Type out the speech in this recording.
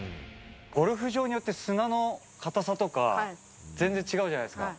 ゴルフ場によって、砂の硬さとか、全然違うじゃないですか。